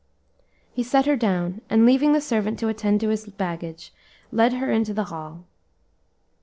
He set her down, and leaving the servant to attend lo his baggage, led her into the hall.